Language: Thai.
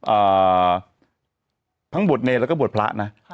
อ่าทั้งบวชเนรแล้วก็บวชพระนะ